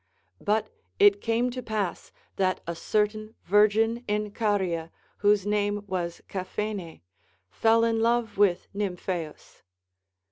But it came to pass that a certain virgin in Caria, Avhose name was Caphene, fell in love with Nymphaeus.